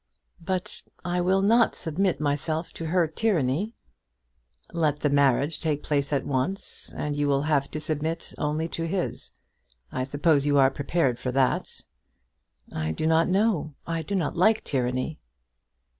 "But I will not submit myself to her tyranny." "Let the marriage take place at once, and you will have to submit only to his. I suppose you are prepared for that?" "I do not know. I do not like tyranny."